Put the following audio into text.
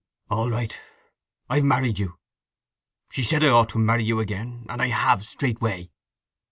"All right. I've—married you. She said I ought to marry you again, and I have straightway.